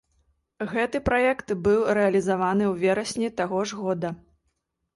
Гэты праект быў рэалізаваны ў верасні таго ж года.